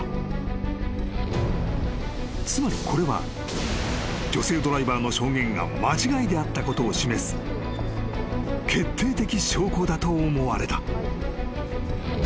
［つまりこれは女性ドライバーの証言が間違いであったことを示す決定的証拠だと思われた］